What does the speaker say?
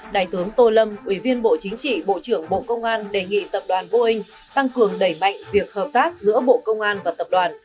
đại tướng tô lâm ủy viên bộ chính trị bộ trưởng bộ công an đề nghị tập đoàn boeing tăng cường đẩy mạnh việc hợp tác giữa bộ công an và tập đoàn